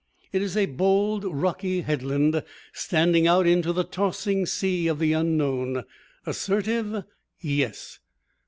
It is a bold, rocky headland, standing out into the tossing sea of the Unknown. Assertive? Yes.